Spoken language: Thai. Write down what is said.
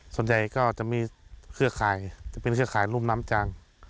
ส่วนใหญ่ก็จะมีเครือข่ายจะเป็นเครือข่ายรุ่มน้ำจาง